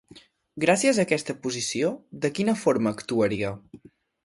Gràcies a aquesta posició, de quina forma actuaria?